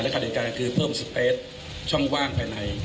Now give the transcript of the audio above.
การเหตุการณ์คือเพิ่มสเปสช่องว่างภายใน